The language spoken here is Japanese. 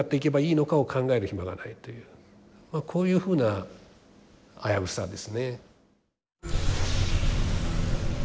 というこういうふうな危うさですね。